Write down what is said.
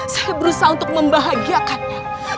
saya berusaha untuk membahagiakannya